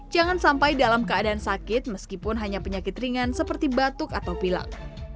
jangan sampai dalam keadaan sakit meskipun hanya penyakit ringan seperti batuk atau pilak